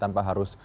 tandil tanpa harus